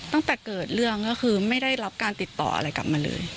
ตั้งแต่เกิดเรื่องก็คือไม่ได้รับการติดต่ออะไรกลับมาเลย